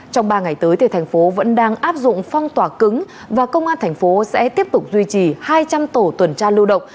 trong ba ngày tới thành phố vẫn đang áp dụng phong tỏa cứng và công an thành phố sẽ tiếp tục duy trì hai trăm linh tổ tuần tra lưu động